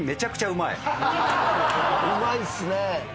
うまいっすね。